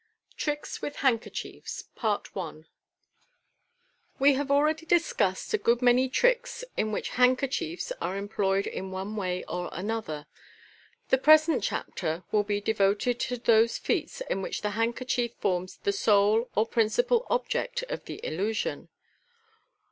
Tricks with Handkerchiefs. IVb hare already discussed a good many tricks in which handker chiefs are employed in one way or another. The present chapter wiM be devoted to those feats in which the handkerchief forms the sole or principal object of the illusion.